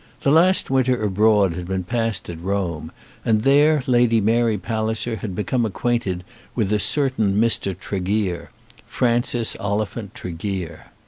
The last winter abroad had been passed at Rome, and there Lady Mary Palliser had become acquainted with a certain Mr. Tregear, Francis Oliphant Tregear.